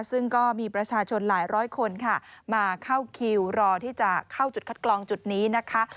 ซึ่งก็มีประชาชนหลายร้อยคนค่ะมาเข้าคิวรอที่จะเข้าจุดคัดกรองจุดนี้นะคะ